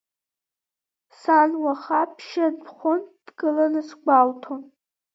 Сан уаха ԥшьынтә-хәынтә дгыланы сгәалҭон.